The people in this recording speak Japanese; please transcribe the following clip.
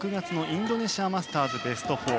インドネシアマスターズベスト４